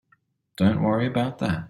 Don't worry about that.